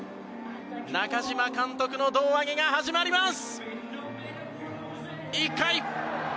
中嶋監督の胴上げが始まります。